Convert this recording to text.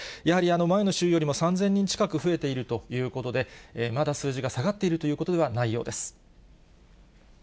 やはり前の週よりも３０００人近く増えているということで、まだ数字が下がっているということではないようです。